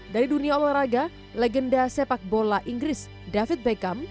dari dunia olahraga legenda sepak bola inggris david beckham